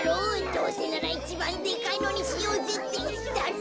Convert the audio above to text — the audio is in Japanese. どうせならいちばんでかいのにしようぜっていったの。